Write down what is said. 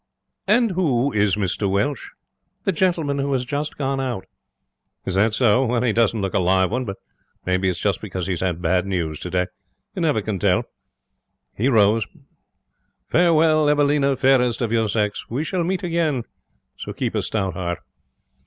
'And who is Mr Welsh?' 'The gentleman who has just gone out.' 'Is that so? Well, he doesn't look a live one, but maybe it's just because he's had bad news today. You never can tell.' He rose. 'Farewell, Evelina, fairest of your sex. We shall meet again; so keep a stout heart.'